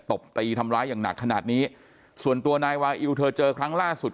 ตบตีทำร้ายอย่างหนักขนาดนี้ส่วนตัวนายวาอิวเธอเจอครั้งล่าสุด